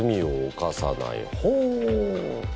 ほう。